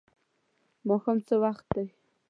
ماښام څه وخت دی؟